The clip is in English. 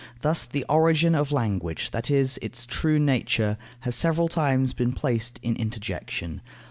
Thus the origin of language, that is, its true nature, has several times been placed in interjection.